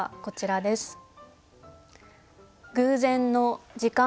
こちらです。